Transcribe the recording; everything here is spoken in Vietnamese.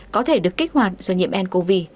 có thể được kích hoạt do nhiễm ncov